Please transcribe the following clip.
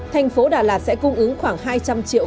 thành phố đà lạt sẽ cung ứng khoảng hai trăm linh triệu